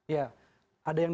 ya ada yang